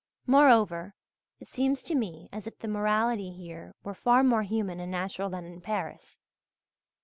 Moreover, it seems to me as if the morality here were far more human and natural than in Paris.